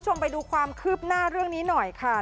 คุณผู้ชมไปดูความคืบหน้าเรื่องนี้หน่อยค่ะ